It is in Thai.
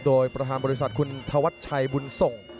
โดยประธานบริษัทคุณธวัชชัยบุญส่ง